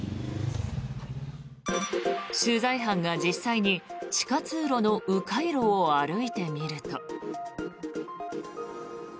取材班が実際に地下通路の迂回路を歩いてみると。